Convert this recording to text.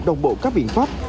đồng bộ các biện pháp